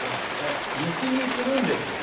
蒸し煮するんですよね。